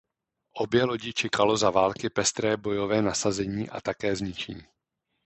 Obě lodi čekalo za války pestré bojové nasazení a také zničení.